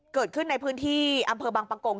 เกิดขึ้นในพื้นที่อำเภอบังปะกง